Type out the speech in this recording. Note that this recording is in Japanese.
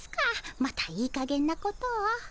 またいいかげんなことを。